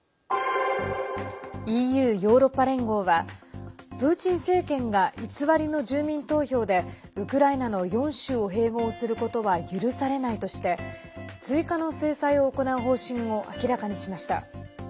ＥＵ＝ヨーロッパ連合はプーチン政権が偽りの住民投票でウクライナの４州を併合することは許されないとして追加の制裁を行う方針を明らかにしました。